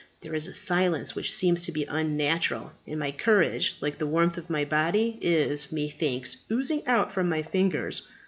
There is a silence which seems to be unnatural, and my courage, like the warmth of my body, is methinks oozing out from my fingers."